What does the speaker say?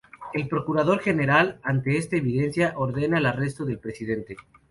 El Procurador General, ante esta evidencia, ordena el arresto del Presidente.